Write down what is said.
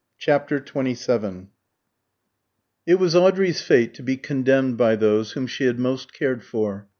CHAPTER XXVII It was Audrey's fate to be condemned by those whom she had most cared for.